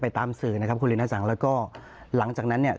ไปตามสื่อนะครับแล้วหลังจากนั้นเนี่ย